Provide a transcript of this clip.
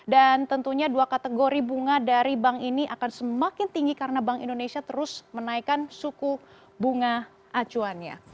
dan tentunya dua kategori bunga dari bank ini akan semakin tinggi karena bank indonesia terus menaikkan suku bunga acuannya